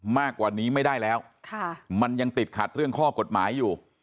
มากกว่านี้ไม่ได้แล้วมันยังติดขัดเรื่องข้อกฎหมายอยู่